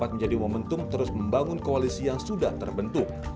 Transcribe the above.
menjadi momentum terus membangun koalisi yang sudah terbentuk